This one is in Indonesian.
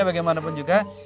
ini bagaimanapun juga